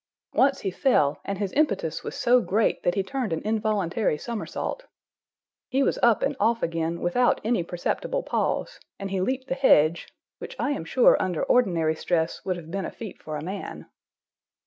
Once he fell, and his impetus was so great that he turned an involuntary somersault. He was up and off again without any perceptible pause, and he leaped the hedge—which I am sure under ordinary stress would have been a feat for a man.